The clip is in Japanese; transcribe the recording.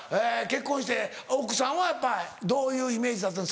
結婚して奥さんはやっぱどういうイメージだった？